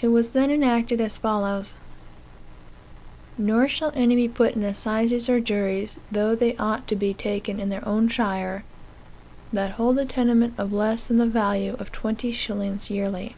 It was then enacted as follows: "Nor shall, any be put in assizes or juries, though they ought to be taken in their own shire, that hold a tenement of less than the value of twenty shillings yearly.